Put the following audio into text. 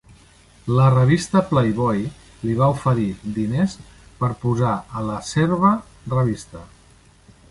La revista Playboy li va oferir diners per posar a la serva revista.